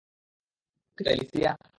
দুঃখিত, অ্যালিসিয়া।